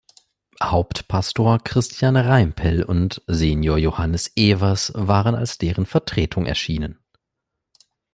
Hauptpastor Christian Reimpell und Senior Johannes Evers waren als deren Vertretung erschienen.